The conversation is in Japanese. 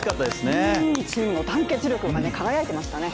チームの団結力、輝いていましたね。